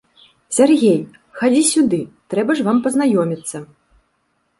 Сяргей, хадзі сюды, трэба ж вам пазнаёміцца.